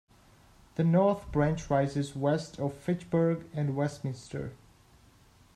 The north branch rises west of Fitchburg and Westminster.